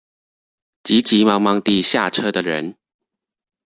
急急忙忙地下車的人